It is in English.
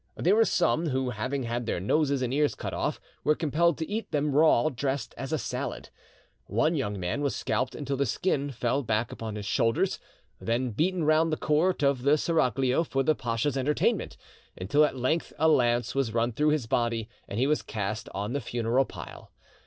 There were some who, having had their noses and ears cut off, were compelled to eat them raw, dressed as a salad. One young man was scalped until the skin fell back upon his shoulders, then beaten round the court of the seraglio for the pacha's entertainment, until at length a lance was run through his body and he was cast on the funeral pile.